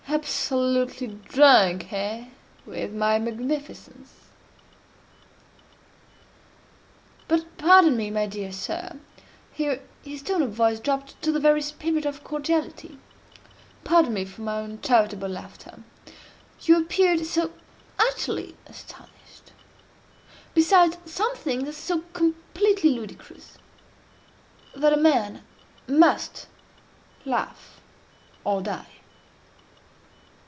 absolutely drunk, eh, with my magnificence? But pardon me, my dear sir, (here his tone of voice dropped to the very spirit of cordiality,) pardon me for my uncharitable laughter. You appeared so utterly astonished. Besides, some things are so completely ludicrous, that a man must laugh or die.